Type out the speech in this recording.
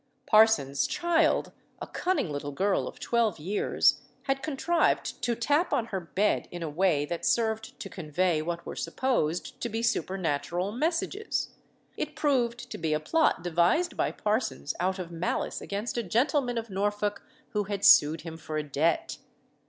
Parsons's child, a cunning little girl of twelve years, had contrived to tap on her bed in a way that served to convey what were supposed to be supernatural messages. It proved to be a plot devised by Parsons out of malice against a gentleman of Norfolk who had sued him for a debt.